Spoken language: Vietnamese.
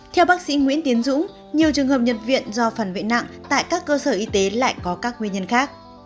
theo bác sĩ nguyễn tiến dũng nhiều trường hợp nhập viện do phần vệ nặng tại các cơ sở y tế lại có các nguyên nhân khác